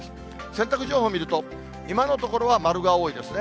洗濯情報見ると、今のところは丸が多いですね。